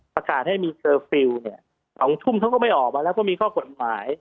ประกาศให้มีเคอร์ฟิลล์เนี่ย๒ทุ่มเขาก็ไม่ออกมาแล้วก็มีข้อกฎหมาย